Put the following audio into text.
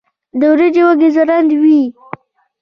د وریجو وږی ځوړند وي.